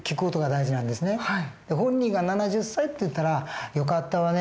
本人が「７０歳」って言ったら「よかったわね。